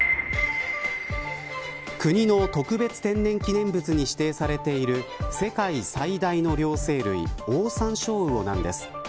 国の特別天然記念物に指定されている世界最大の両生類オオサンショウウオなんです。